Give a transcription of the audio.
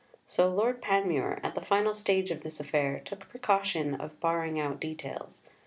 So Lord Panmure, at the final stage of this affair, took the precaution of barring out details.